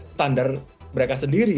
standar mereka sendiri